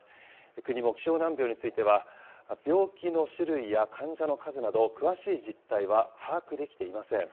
国も希少難病については、病気の種類や患者の数など、詳しい実態は把握できていません。